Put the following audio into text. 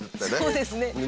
そうですね。